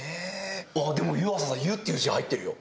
でも湯浅さん「湯」っていう字入ってるよ。